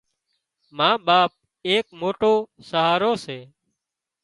ما ٻاپ ايڪ موٽو سهارو سي